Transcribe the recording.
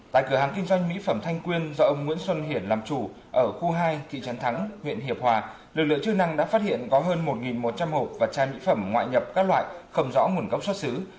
tại cửa hàng kinh doanh mỹ phẩm thanh quyên do ông nguyễn xuân hiển làm chủ ở khu hai thị trấn thắng huyện hiệp hòa lực lượng chức năng đã phát hiện có hơn một một trăm linh hộp và trang mỹ phẩm ngoại nhập các loại không rõ nguồn gốc xuất xứ